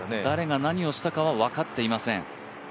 誰が何をしたかは分かっていません。